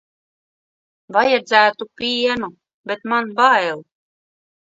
Vajadzētu pienu, bet man bail.